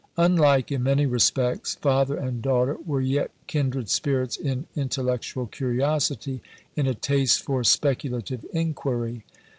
Unlike in many respects, father and daughter were yet kindred spirits in intellectual curiosity, in a taste for speculative inquiry.